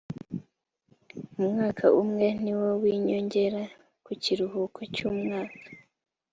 umwaka umwe niwo w ‘inyongera ku kiruhuko cy’umwaka